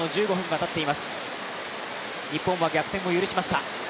日本は逆転を許しました。